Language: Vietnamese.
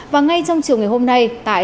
và ngay trong chiều ngày hôm nay tại